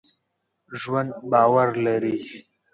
ژوندي باور لري